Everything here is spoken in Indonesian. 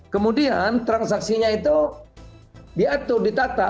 kemudian transaksinya itu diatur ditata